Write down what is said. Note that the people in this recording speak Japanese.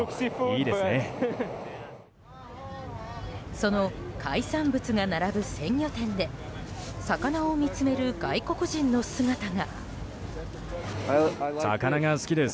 その海産物が並ぶ鮮魚店で魚を見つめる外国人の姿が。